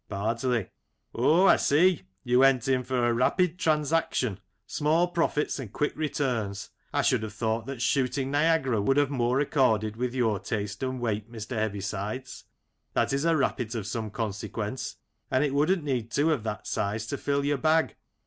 Bardsley: Oh, I see. You went in for a rapid tran saction, small profits and quick returns. I should have thought that shooting Niagara would have more accorded with your taste and weight, Mr. Heavisides. That is a rappit of some consequence, and it wouldn't need two of that size to fill your bag.